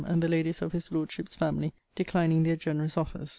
and the Ladies of his Lordship's family, declining their generous offers.